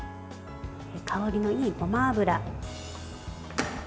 香りのいい、ごま油。